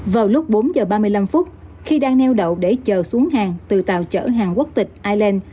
vào lúc bốn giờ ba mươi năm phút khi đang neo đậu để chờ xuống hàng từ tàu chở hàng quốc tịch island